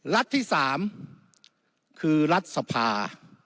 รัฐที่๓คือรัฐสภา